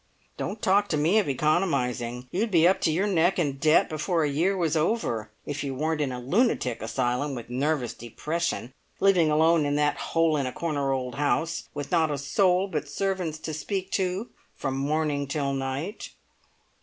Don't talk to me of economising; you'd be up to your neck in debt before a year was over if you weren't in a lunatic asylum with nervous depression, living alone in that hole in a corner old house, with not a soul but servants to speak to from morning till night.